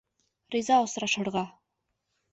Риза осрашырға!